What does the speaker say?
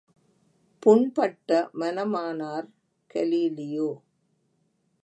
புண்பட்ட மனமானார் கலீலியோ!